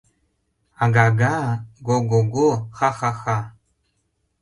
— Ага-га... го-го-го... ха-ха-ха!..